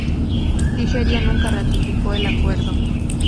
Nigeria nunca ratificó el acuerdo.